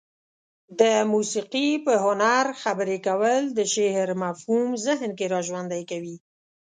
د موسيقي په هنر خبرې کول د شعر مفهوم ذهن کې را ژوندى کوي.